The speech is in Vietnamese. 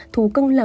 thú cưng là